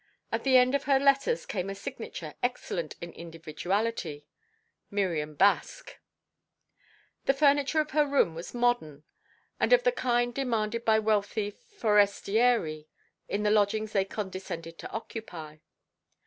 At the end of her letters came a signature excellent in individuality: "Miriam Baske." The furniture of her room was modern, and of the kind demanded by wealthy forestieri in the lodgings they condescend to occupy.